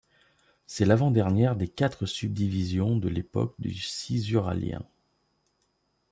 C'est l'avant-dernière des quatre subdivisions de l'époque du Cisuralien.